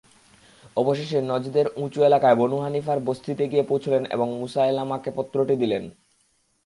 অবশেষে নজদের উঁচু এলাকায় বনু হানীফার বস্তিতে গিয়ে পৌঁছলেন এবং মুসায়লামাকে পত্রটি দিলেন।